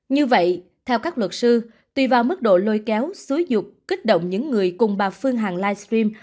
như vậy theo các luật sư tùy vào mức độ lôi kéo xúi dục kích động những người cùng bà phương hằng livestream